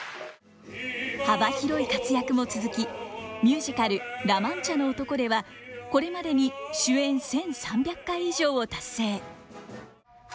幅広い活躍も続きミュージカル「ラ・マンチャの男」ではこれまでに主演１，３００回以上を達成。